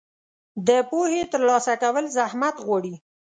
د پوهې ترلاسه کول زحمت غواړي.